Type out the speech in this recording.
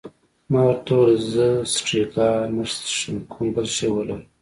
ما ورته وویل: زه سټریګا نه څښم، کوم بل شی ولره.